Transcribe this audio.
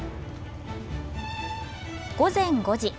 午前５時。